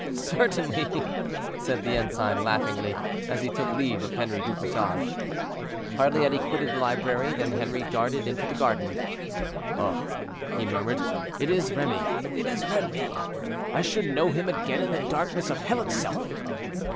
"Certainly," said the ensign, laughingly, as he took leave of Henri du Bouchage. Hardly had he quitted the library than Henri darted into the garden. "Oh!" he murmured, "it is Remy! it is Remy! I should know him again in the darkness of hell itself."